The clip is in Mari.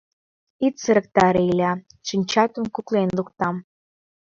Ит сырыктаре, Иля; шинчатым куклен луктам!